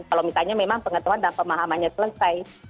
kalau misalnya memang pengetahuan dan pemahamannya selesai